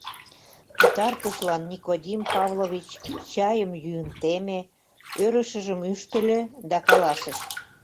Пытартышлан Никодим Павлович чайым йӱын теме, ӧрышыжым ӱштыльӧ да каласыш: